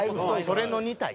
それの２体や。